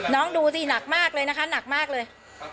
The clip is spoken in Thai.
น้องดูสิหนักมากเลยนะคะหนักมากเลย